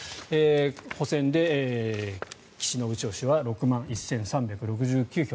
補選で岸信千世氏は６万１３６９票。